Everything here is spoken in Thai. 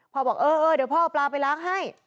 บอกเออเดี๋ยวพ่อเอาปลาไปล้างให้